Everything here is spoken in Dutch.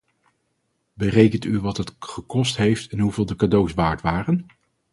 Berekent u wat het gekost heeft en hoeveel de cadeaus waard waren?